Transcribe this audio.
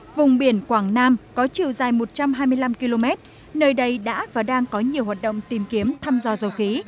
vùng biển quảng nam có chiều dài một trăm hai mươi năm km nơi đây đã và đang có nhiều hoạt động tìm kiếm thăm dò dầu khí